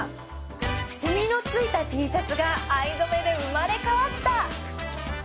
染みの付いた Ｔ シャツが藍染めで生まれ変わった